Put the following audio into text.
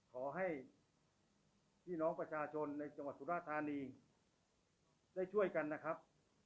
ขอให้พี่น้องประชาชนในจังหวัดสุราธานีได้ช่วยกันนะครับ